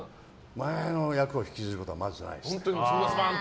前の役を引きずることはまずないですね。